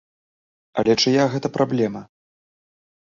Але чыя гэта праблема?